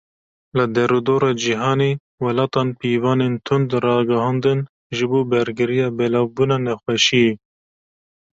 Li derûdora cîhanê, welatan pîvanên tund ragihandin ji bo bergiriya belavbûna nexweşiyê.